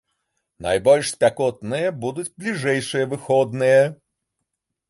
Найбольш спякотныя будуць бліжэйшыя выходныя.